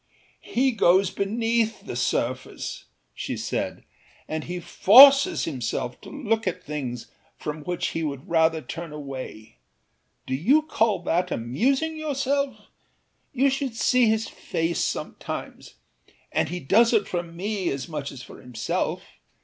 âHe goes beneath the surface,â she said, âand he forces himself to look at things from which he would rather turn away. Do you call that amusing yourself? You should see his face sometimes! And he does it for me as much as for himself.